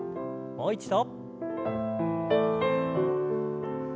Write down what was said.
もう一度。